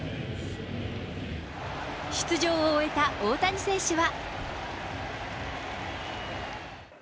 出場を終えた大谷選手は。